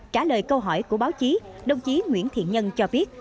trả lời câu hỏi của báo chí đồng chí nguyễn thiện nhân cho biết